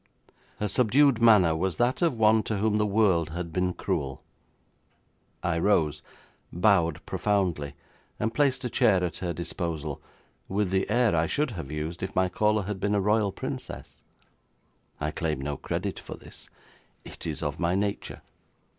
Her subdued manner was that of one to whom the world had been cruel. I rose, bowed profoundly, and placed a chair at her disposal, with the air I should have used if my caller had been a Royal Princess. I claim no credit for this; it is of my nature.